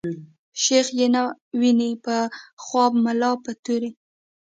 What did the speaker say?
شيخ ئې نه ويني په خواب ملا په توري